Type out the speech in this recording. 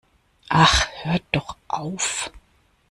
Ach, hör doch auf!